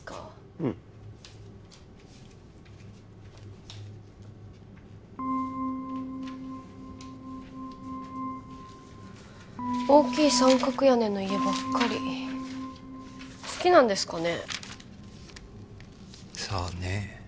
うん大きい三角屋根の家ばっかり好きなんですかね？